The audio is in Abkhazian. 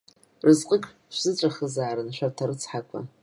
Разҟык шәзыҵәахызаарын шәарҭ арыцҳақәа.